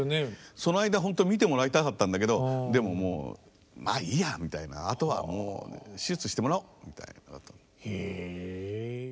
その間ほんとは見てもらいたかったんだけどでももうまあいいやみたいなあとはもう手術してもらおうみたいなのがあったの。